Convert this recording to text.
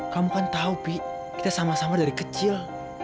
kamu kan tahu pi kita sama sama dari kecil